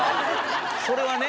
それはね。